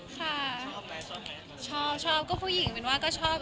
ชอบไหมชอบชอบชอบก็ผู้หญิงคงชอบ